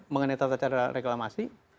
mengenai tata cara reklamasi